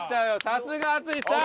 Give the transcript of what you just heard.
さすが淳さん！